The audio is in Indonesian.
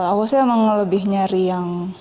aku sih emang lebih nyari yang